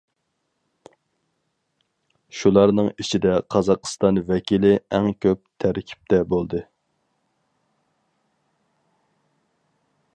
شۇلارنىڭ ئىچىدە قازاقىستان ۋەكىلى ئەڭ كۆپ تەركىبتە بولدى.